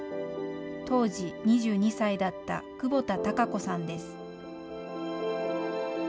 当時２２歳だった久保田タカ子さんです。